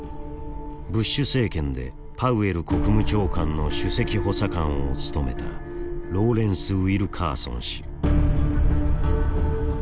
ブッシュ政権でパウエル国務長官の首席補佐官を務めたローレンス・ウィルカーソン氏。